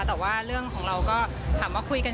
แต่ว่าเรื่องของเราก็ถามว่าคุยกัน